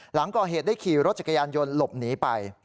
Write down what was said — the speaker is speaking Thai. หลังก่อเหตุได้ขี่รถจักรยานยนต์หลบหนีไป